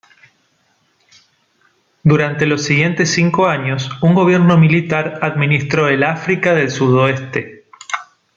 Durante los siguientes cinco años, un gobierno militar administró el África del Sudoeste.